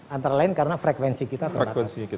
antara lain karena frekuensi kita terbatas